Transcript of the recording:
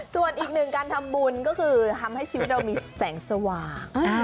ส่วนอีกหนึ่งการทำบุญก็คือทำให้ชีวิตเรามีแสงสว่าง